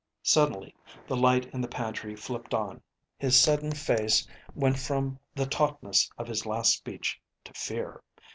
Suddenly the light in the pantry flipped on. His sudden face went from the tautness of his last speech to fear.